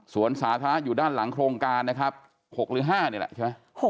สาธารณะอยู่ด้านหลังโครงการนะครับ๖หรือ๕นี่แหละใช่ไหม